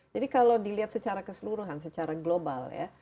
jadi kalau dilihat secara keseluruhan secara global ya